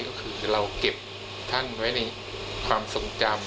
ก็คือเราเก็บท่านไว้ในความทรงจำ